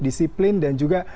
disiplin dan juga